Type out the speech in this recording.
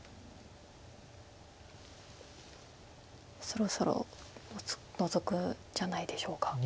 そろそろノゾくんじゃないでしょうか。